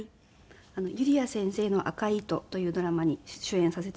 『ゆりあ先生の赤い糸』というドラマに主演させて頂きます。